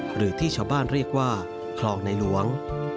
หรือที่ชาวบ้านเรียกว่าคลองในหลวง